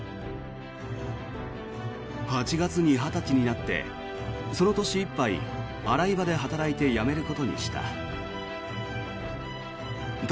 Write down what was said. ８月に２０歳になってその年いっぱい洗い場で働いて辞めることにした。